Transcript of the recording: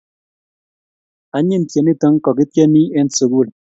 Anyiny tyenitok kakityenei eng' sukul.